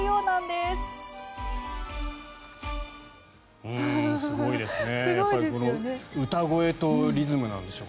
すごいですよね。